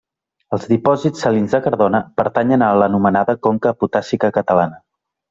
Els dipòsits salins de Cardona pertanyen a l'anomenada conca potàssica catalana.